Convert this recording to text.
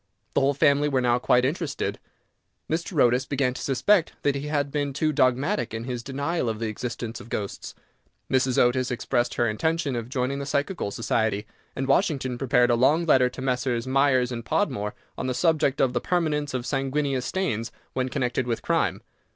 The whole family were now quite interested; Mr. Otis began to suspect that he had been too dogmatic in his denial of the existence of ghosts, Mrs. Otis expressed her intention of joining the Psychical Society, and Washington prepared a long letter to Messrs. Myers and Podmore on the subject of the Permanence of Sanguineous Stains when connected with Crime.